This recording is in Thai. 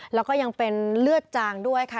แล้วก็ยังเป็นเลือดจางด้วยค่ะ